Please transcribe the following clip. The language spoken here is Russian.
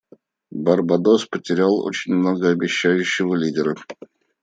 Барбадос потерял очень многообещающего лидера.